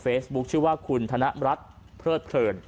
เฟซบุ๊คชื่อว่าคุณธนรัฐเพลิดเผลิน